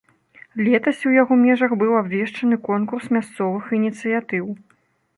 Летась у яго межах быў абвешчаны конкурс мясцовых ініцыятыў.